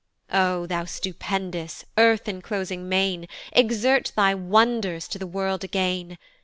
O thou stupendous, earth enclosing main Exert thy wonders to the world again!